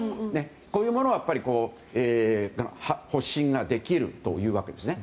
こういうものは発疹ができるというわけですね。